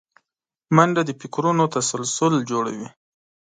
منډه د فکرونو تسلسل جوړوي